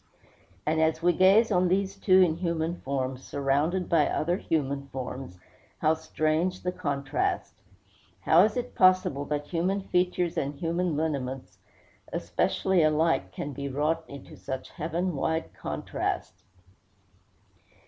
And as we gaze on these two in human form, surrounded by other human forms, how strange the contrast! How is it possible that human features and human lineaments essentially alike can be wrought into such heaven wide contrast?